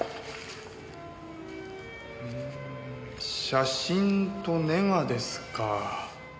写真とネガですか。